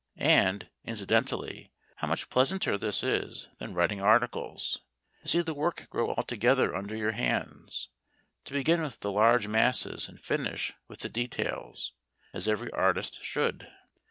And, incidentally, how much pleasanter this is than writing articles to see the work grow altogether under your hands; to begin with the large masses and finish with the details, as every artist should!